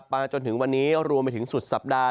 จนถึงวันนี้รวมไปถึงสุดสัปดาห